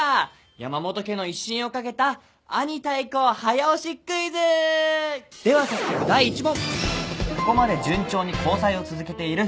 山本家の威信を懸けた兄対抗早押しクイズ！では早速第１問。